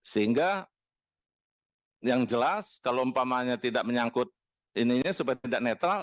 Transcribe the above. sehingga yang jelas kalau umpamanya tidak menyangkut ini supaya tidak netral